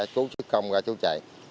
chú chức công ra chú chạy